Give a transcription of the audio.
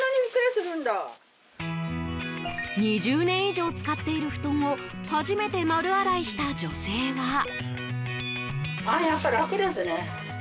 ２０年以上使っている布団を初めて丸洗いした女性は。